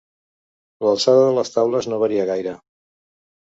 L’alçada de les taules no varia gaire.